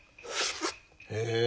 へえ。